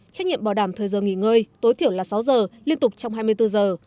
trách nhiệm bảo đảm thời giờ nghỉ ngơi tối thiểu là sáu giờ liên tục trong hai mươi bốn giờ